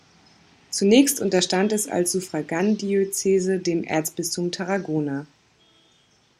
Zunächst unterstand es als Suffragandiözese dem Erzbistum Tarragona.